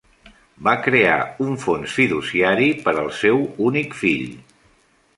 Va crear un fons fiduciari per al seu únic fill.